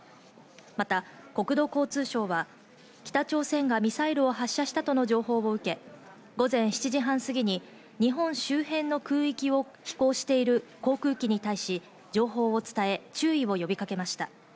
また国土交通省は北朝鮮がミサイルを発射したとの情報を受け、午前７時半過ぎに日本周辺の空域を飛行している航空機に対し、情報を伝え、注意を呼びかけました。